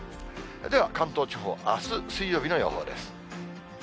では、関東地方のあす水曜日の予報です。